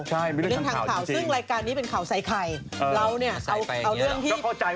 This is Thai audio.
ใช่มีเรื่องทางข่าวจริง